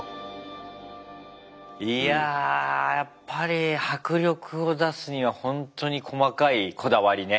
いやあやっぱり迫力を出すにはほんとに細かいこだわりね。